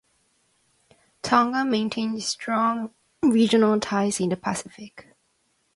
Tonga maintains strong regional ties in the Pacific.